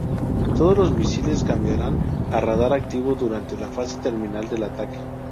Todos los misiles cambiaran a radar activo, durante la fase terminal del ataque.